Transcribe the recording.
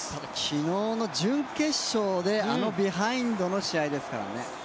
昨日の準決勝であのビハインドの試合ですからね。